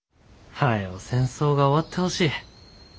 早う戦争が終わってほしい。